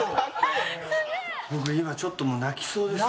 僕今ちょっともう泣きそうです。